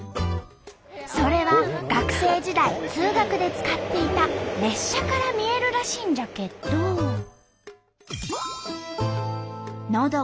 それは学生時代通学で使っていた列車から見えるらしいんじゃけど。